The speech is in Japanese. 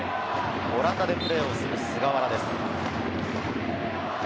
オランダでプレーをする菅原です。